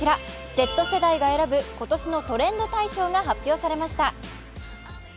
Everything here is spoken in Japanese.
Ｚ世代が選ぶ今年のトレンド大賞が発表されました。